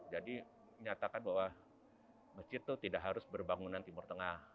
nyatakan bahwa masjid itu tidak harus berbangunan timur tengah